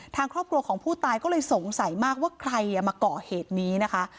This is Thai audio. ทางครอบครัวของผู้ตายก็เลยสงสัยมากว่าใครมาก่อเหตุนี้นะคะ